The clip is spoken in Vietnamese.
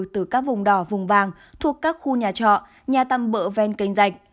từ các vùng đỏ vùng vàng thuộc các khu nhà trọ nhà tăm bỡ ven canh rạch